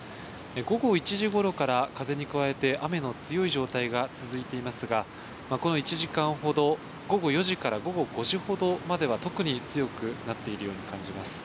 午後１時ごろから、風に加えて、雨の強い状態が続いていますが、この１時間ほど、午後４時から午後５時ほどまでは、特に強くなっているように感じます。